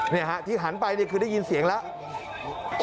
นี่ฮะที่หันไปเนี่ยคือได้ยินเสียงแล้ว